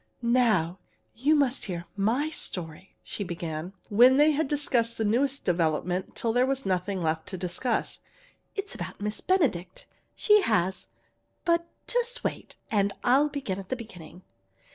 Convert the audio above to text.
"Now you must hear my story," she began, when they had discussed the newest development till there was nothing left to discuss. "It's about Miss Benedict. She has but just wait, and I'll begin at the beginning.